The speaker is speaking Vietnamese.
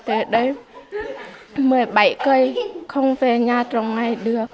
ở đây một mươi bảy cây không về nhà trong ngày được